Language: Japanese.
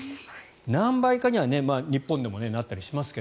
何倍かには日本でもなったりしますが。